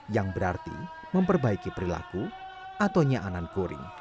yang berarti memperbaiki perilaku atau nyaanan kuring